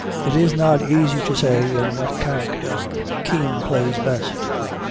It is not easy to say in what character Kean plays best.